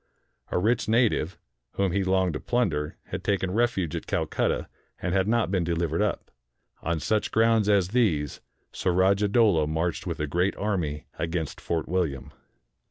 A rich native, whom he longed to plunder, had taken refuge at Calcutta, and had not been delivered up. On such grounds as these Surajah Dowlah marched with a great army against Fort William.